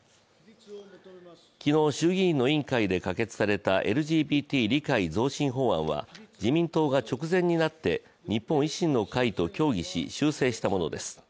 昨日、衆議院の委員会で可決されたＬＧＢＴ理解増進法案は自民党が直前になって日本維新の会と協議し、修正したものです。